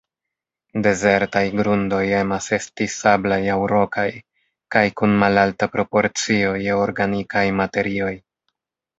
Dezertaj grundoj emas esti sablaj aŭ rokaj, kaj kun malalta proporcio je organikaj materioj.